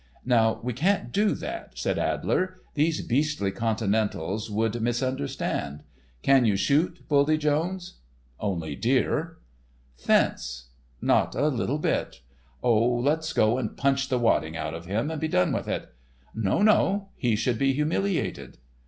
"Now, we can't do that," said Adler; "these beastly continentals would misunderstand. Can you shoot, Buldy Jones?" "Only deer." "Fence?" "Not a little bit. Oh, let's go and punch the wadding out of him, and be done with it!" "No! No! He should be humiliated."